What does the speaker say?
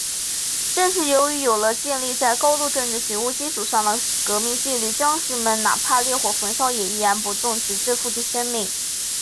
正是由于有了建立在高度政治觉悟基础上的革命纪律，将士们……哪怕烈火焚身，也岿然不动，直至付出生命。